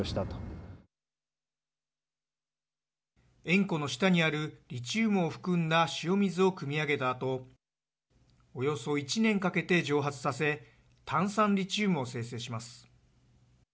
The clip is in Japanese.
塩湖の下にあるリチウムを含んだ塩水をくみ上げたあとおよそ１年かけて蒸発させ炭酸リチウムを生成します。